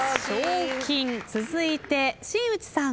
続いて新内さん。